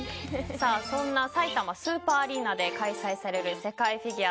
そんなさいたまスーパーアリーナで開催される世界フィギュア。